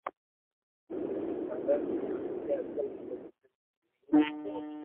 اراده ني آپري عقل مون رڌ ري ڌيڌو